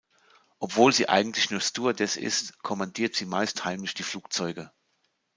Obwohl sie eigentlich nur Stewardess ist, kommandiert sie meist heimlich die Flugzeuge.